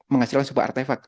menghasilkan sebuah artefak